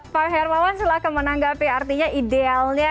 pak hermawan silahkan menanggapi artinya idealnya